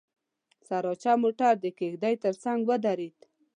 سراچه موټر د کېږدۍ تر څنګ ودرېد.